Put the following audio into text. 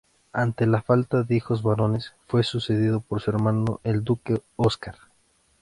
Ante la falta de hijos varones, fue sucedido por su hermano el duque Óscar.